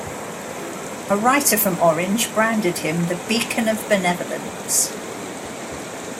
A writer from Orange branded him the "beacon of benevolence".